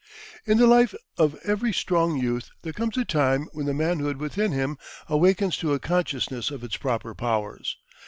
In the life of every strong youth there comes a time when the manhood within him awakens to a consciousness of its proper powers.